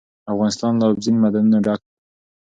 افغانستان له اوبزین معدنونه ډک دی.